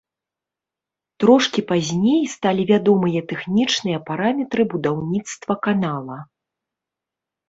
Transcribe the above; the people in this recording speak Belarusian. Трошкі пазней сталі вядомыя тэхнічныя параметры будаўніцтва канала.